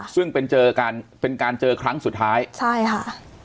ซึ่งเป็นเจอกันเป็นการเจอครั้งสุดท้ายใช่ค่ะ